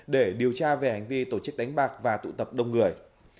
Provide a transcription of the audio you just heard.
để điều tra về hành vi tổ chức đánh bạc và tụ tập đông người